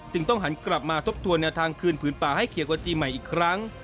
ต้องหันกลับมาทบทวนแนวทางคืนผืนป่าให้เขียวกว่าจีนใหม่อีกครั้ง